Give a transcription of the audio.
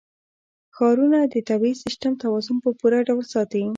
ښارونه د طبعي سیسټم توازن په پوره ډول ساتي.